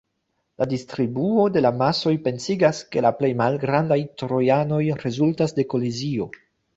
La distribuo de la masoj pensigas, ke la plej malgrandaj trojanoj rezultas de kolizio.